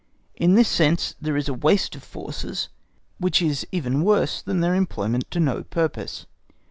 In this sense there is a waste of forces, which is even worse than their employment to no purpose.